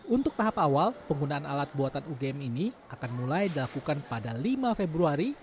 untuk tahap awal penggunaan alat buatan ugm ini akan mulai dilakukan pada lima februari